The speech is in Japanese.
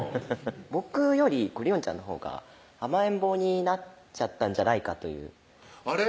僕より璃音ちゃんのほうが甘えん坊になっちゃったんじゃないかというあれ？